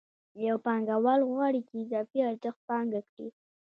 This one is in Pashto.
یو پانګوال غواړي چې اضافي ارزښت پانګه کړي